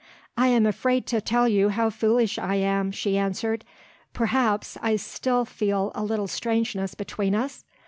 "I am afraid to tell you how foolish I am," she answered. "Perhaps, I still feel a little strangeness between us?